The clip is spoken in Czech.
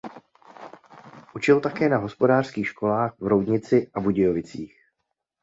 Učil také na hospodářských školách v Roudnici a Budějovicích.